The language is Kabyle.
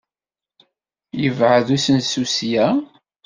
Yebɛed usensu ssya?